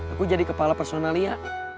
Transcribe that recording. aku jadi kepala personal ya